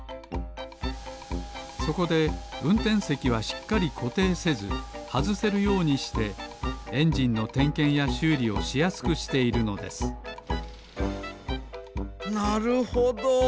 そこでうんてんせきはしっかりこていせずはずせるようにしてエンジンのてんけんやしゅうりをしやすくしているのですなるほど。